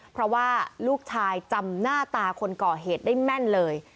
เพราะว่าลูกชายจำหน้าตาคนก่อเหตุได้แม่นเลย